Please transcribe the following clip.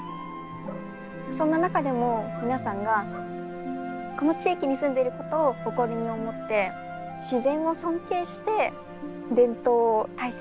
そんな中でも皆さんがこの地域に住んでいることを誇りに思って自然を尊敬して伝統を大切に守っている。